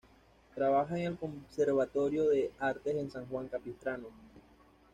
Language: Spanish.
Trabaja en el Conservatorio de Artes en San Juan Capistrano.